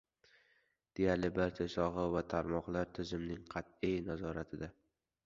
Deyarli barcha soha va tarmoqlar tizimning qatʼiy nazoratida.